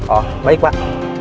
oh baik pak